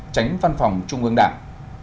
tránh văn phòng trung ương đảng